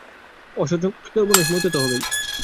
অসৎ সঙ্গে সর্বনাশ, মরতে তো হবেই।